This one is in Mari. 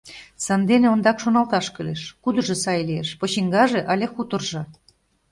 Сандене ондак шоналташ кӱлеш: кудыжо сай лиеш — почиҥгаже, але хуторжо?